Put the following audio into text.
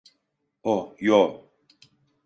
Oh, yo.